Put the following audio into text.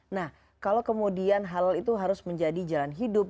nah kalau kemudian halal itu harus menjadi jalan hidup